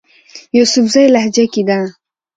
يوسفزئ لهجه کښې ده